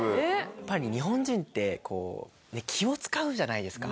やっぱり日本人ってこう気を使うじゃないですか。